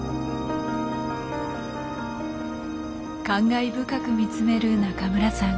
感慨深く見つめる中村さん。